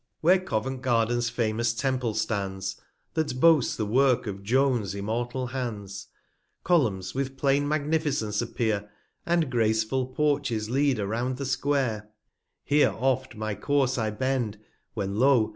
220 Where Covent garderfs famous Temple stands, That boasts the Work of J 'ones' immortal Hands ; Columns, with plain Magnificence, appear, And graceful Porches lead around the Square: Here oft' my Course I bend, when lo